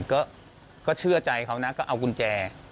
ก็เชื่อใจเขานะก็เอากุญแจ